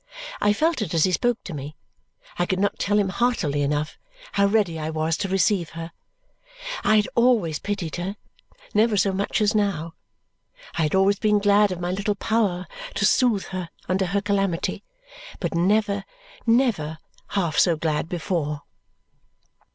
I felt it as he spoke to me. I could not tell him heartily enough how ready I was to receive her. I had always pitied her, never so much as now. I had always been glad of my little power to soothe her under her calamity, but never, never, half so glad before.